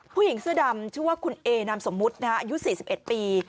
ผู้หญิงเสื้อดำชื่อว่าคุณเอนามสมมุติอายุ๔๑ปี